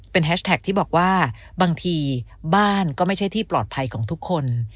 แฮชแท็กที่บอกว่าบางทีบ้านก็ไม่ใช่ที่ปลอดภัยของทุกคน